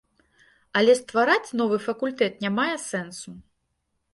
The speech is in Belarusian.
Але ствараць новы факультэт не мае сэнсу.